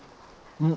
うん。